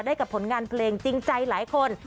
กับผลงานเพลงจริงใจหลายคน